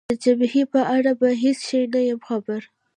د جبهې په اړه په هېڅ شي نه یم خبر.